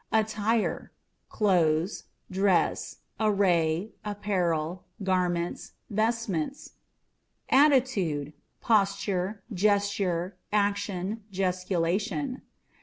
Attires â€" clothes, dress, array, apparel, garments, vestments. Attitude â€" posture, gesture, action, gesticulation.